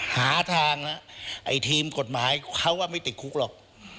หาทางแล้วไอ้ทีมกฎหมายเขาว่าไม่ติดคุกหรอก